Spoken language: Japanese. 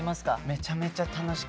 めちゃめちゃ楽しかった。